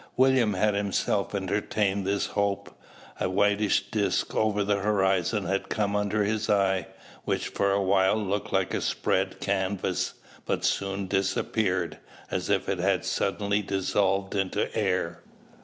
William had himself entertained this hope. A whitish disk over the horizon had come under his eye; which for a while looked like spread canvas, but soon disappeared, as if it had suddenly dissolved into air.